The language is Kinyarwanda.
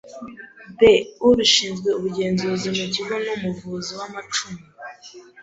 b. Ushinzwe ubugenzuzi mu ikigo ni umuvuzi w’amacumu